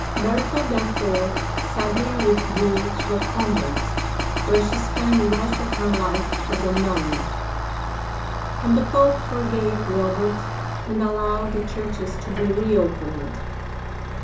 Bertha therefore sadly withdrew to a convent, where she spent the rest of her life as a nun, and the Pope forgave Robert and allowed the churches to be reopened.